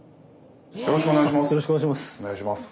よろしくお願いします。